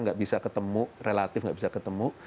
gak bisa ketemu relatif gak bisa ketemu